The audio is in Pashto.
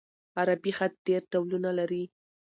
عربي خط ډېر ډولونه لري.